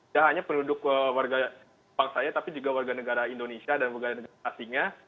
tidak hanya penduduk warga jepang saja tapi juga warga negara indonesia dan warga negara asingnya